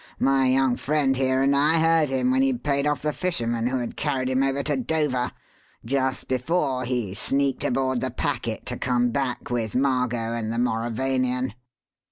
My young friend here and I heard him when he paid off the fisherman who had carried him over to Dover just before he sneaked aboard the packet to come back with Margot and the Mauravanian."